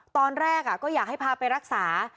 ตอนแรกก็อยากให้พาไปรักษา